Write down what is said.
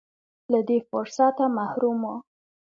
له دې فرصته محروم و.